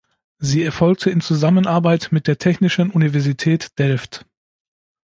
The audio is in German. Sie erfolgte in Zusammenarbeit mit der Technischen Universität Delft.